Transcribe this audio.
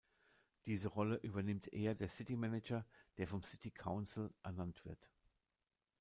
Diese Rolle übernimmt eher der City Manager, der vom City Council ernannt wird.